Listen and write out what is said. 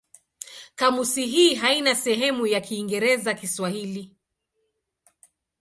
Kamusi hii haina sehemu ya Kiingereza-Kiswahili.